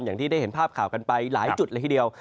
อย่างที่ได้เห็นภาพข่าวกันไปหลายจุดเลยทีเดียว